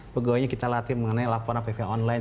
pegawainya kita latih mengenai laporan apv online